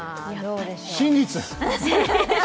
真実！